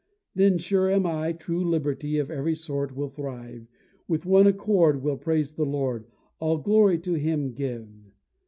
Then sure am I, true liberty Of every sort will thrive; With one accord we'll praise the Lord, All glory to Him give.